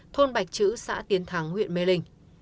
thôn bạch chữ xã tiến thắng huyện mê linh